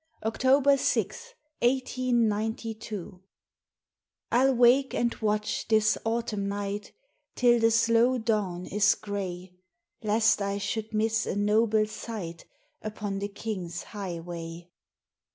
OCTOBER 6, 1892.* I 'll wake and watch this autumn night, Till the slow dawn is gray ; Lest I should miss a noble sight Upon the King's highway.